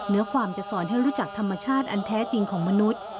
เนื้อความจะสอนให้รู้จักธรรมชาติอันแท้จริงของมนุษย์